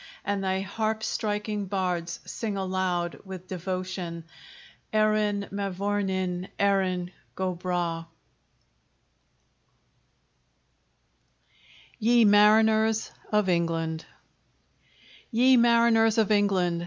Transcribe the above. And thy harp striking bards sing aloud with devotion Erin mavournin Erin go bragh! YE MARINERS OF ENGLAND Ye Mariners of England!